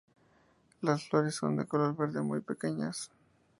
Las flores son de color verde, muy pequeñas.